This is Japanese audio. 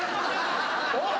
おい。